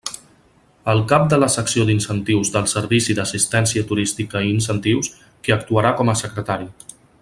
El cap de la Secció d'Incentius del Servici d'Assistència Turística i Incentius, qui actuarà com a secretari.